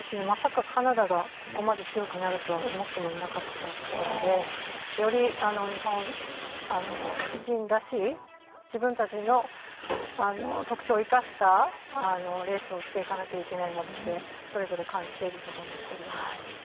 まさかカナダがここまで強くなるとは思ってもいなかったところでより日本人らしい自分たちの特徴を生かしたレースをしていかなきゃいけないなってそれぞれ感じていると思うんですけれども。